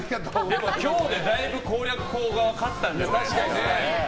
でも今日でだいぶ攻略法が分かったんじゃないかな。